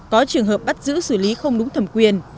có trường hợp bắt giữ xử lý không đúng thẩm quyền